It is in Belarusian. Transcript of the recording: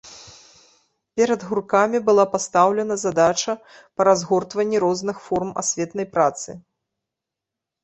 Перад гурткамі была пастаўлена задача па разгортванні розных форм асветнай працы.